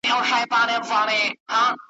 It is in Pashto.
د غم سړې شپې !.